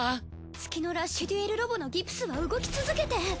月のラッシュデュエルロボのギプスは動き続けて。